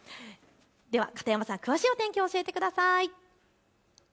では片山さん、詳しい天気を教えてください。